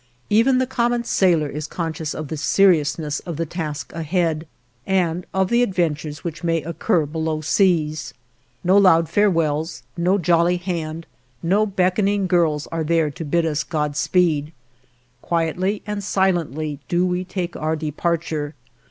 Even the common sailor is conscious of the seriousness of the task ahead and of the adventures which may occur below seas. No loud farewells, no jolly hand, no beckoning girls are there to bid us Godspeed. Quietly and silently do we take our departure.